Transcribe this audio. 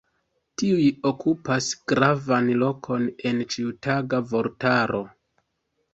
Tiuj okupas gravan lokon en ĉiutaga vortaro.